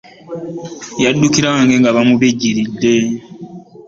Yaddukira wange nga bimubijjiridde.